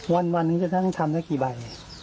วันนึงจะตั้งทำได้กี่ใบ